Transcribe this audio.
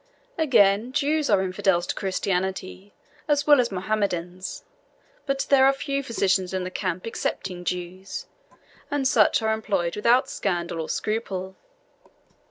Again, Jews are infidels to Christianity, as well as Mohammedans. But there are few physicians in the camp excepting Jews, and such are employed without scandal or scruple.